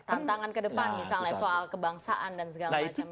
tantangan kedepan misalnya soal kebangsaan dan segala macamnya